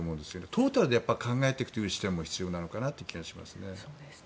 トータルで考えていくという視点も必要な気がしますね。